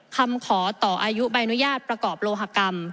คำขอต่ออายุใบอนุญาตประกอบโลหกรรม